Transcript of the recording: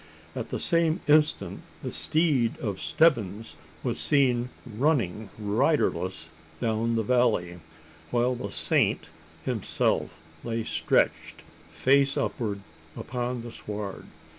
At the same instant the steed of Stebbins was seen running riderless down the valley, while the Saint himself lay stretched, face upward, upon the sward!